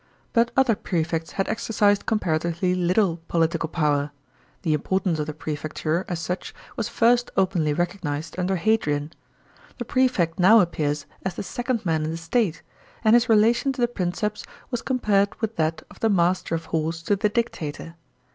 But other prefects had exercised comparatively little political power. The importance of the prefecture, as such, was first openly recognised under Hadrian. The prefect now appears as the second man in the state, and his relation to the Princeps was compared with that of the master of horse to the dictator.